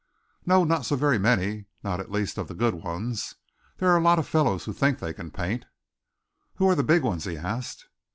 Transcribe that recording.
"No, not so very many not, at least, of the good ones. There are a lot of fellows who think they can paint." "Who are the big ones?" he asked.